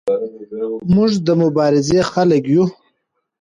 موږ د مبارزې خلک یو.